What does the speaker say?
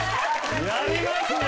やりますね。